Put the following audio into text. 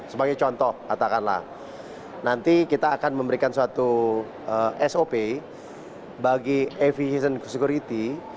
sebagai contoh katakanlah nanti kita akan memberikan suatu sop bagi aviation security yang bertugas di daerah git estre awak